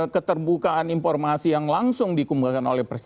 keterbukaan informasi yang langsung dikunggahkan antras